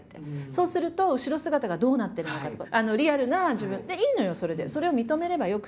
そうすると後ろ姿がどうなってるのかとか。